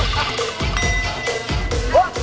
ไปเผินไป